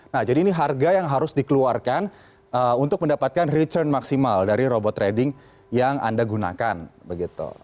nah jadi ini harga yang harus dikeluarkan untuk mendapatkan return maksimal dari robot trading yang anda gunakan begitu